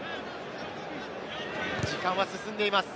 時間は進んでいます。